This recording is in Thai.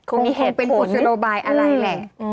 คงมีเหตุผลคงเป็นผลสโลบายอะไรแหละ